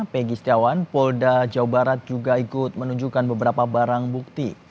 pegi setiawan polda jawa barat juga ikut menunjukkan beberapa barang bukti